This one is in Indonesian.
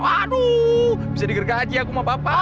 aduh bisa digerga aja aku sama papa